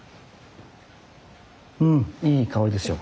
うんいい香りですよ